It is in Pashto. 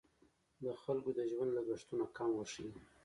د خلکو د ژوند لګښتونه کم وښیي.